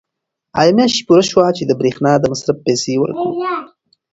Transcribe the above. آیا میاشت پوره شوه چې د برېښنا د مصرف پیسې ورکړو؟